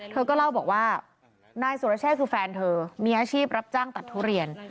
เธอก็เล่าบอกว่านายสุรเชษคือแฟนเธอมีอาชีพรับจ้างตัดทุเรียน